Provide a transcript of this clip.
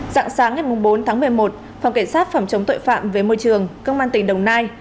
sáng ngày bốn tháng một mươi một phòng kiểm soát phòng chống tội phạm về môi trường công an tỉnh đồng nai